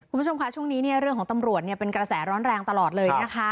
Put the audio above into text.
คุณผู้ชมค่ะช่วงนี้เนี่ยเรื่องของตำรวจเป็นกระแสร้อนแรงตลอดเลยนะคะ